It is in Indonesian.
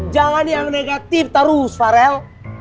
jangan yang negatif terus farel